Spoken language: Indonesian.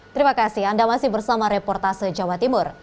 terima kasih anda masih bersama reportase jawa timur